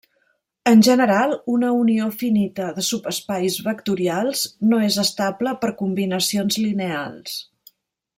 En general, una unió finita de subespais vectorials no és estable per combinacions lineals.